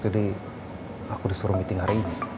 jadi aku disuruh meeting hari ini